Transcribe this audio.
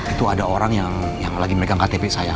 itu ada orang yang lagi memegang ktp saya